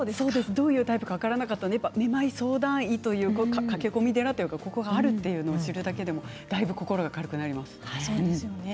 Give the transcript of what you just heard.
どういうタイプか分からなかったからめまい相談医という駆け込み寺があるというのが分かるだけでもだいぶ心が軽くなります。